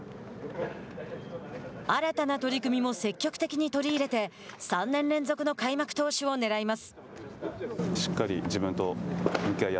新たな取り組みも積極的に取り入れて３年連続の開幕投手をねらいます。